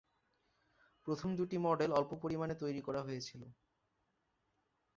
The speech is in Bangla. প্রথম দুটি মডেল অল্প পরিমাণে তৈরি করা হয়েছিল।